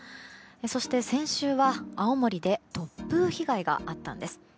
そして、先週は青森で突風被害があったんです。